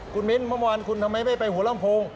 คุณมิ้นพระมวัลทำไมไม่ไปหัวล่ำโพง